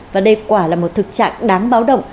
và đây quả là một thực trạng đáng báo động